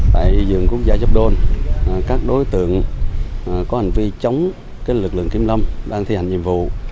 tại vườn quốc gia dốc đôn các đối tượng có hành vi chống lực lượng kiểm lâm đang thi hành nhiệm vụ